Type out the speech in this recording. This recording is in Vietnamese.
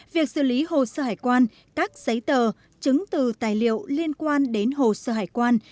việc xử lý hồ sơ hải quan các giấy tờ chứng từ tài liệu liên quan đến hồ sơ hải quan